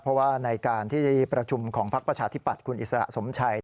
เพราะว่าในการที่จะประชุมของพักประชาธิปัตย์คุณอิสระสมชัย